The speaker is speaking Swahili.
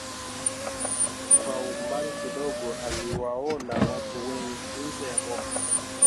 Kwa umbali kidogo aliwaona watu wengi nje ya boma